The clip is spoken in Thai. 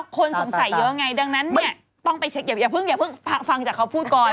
คนสงสัยเยอะไงดังนั้นเนี่ยต้องไปเช็คอย่าเพิ่งฟังจากเขาพูดก่อน